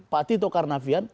pak tito karnavian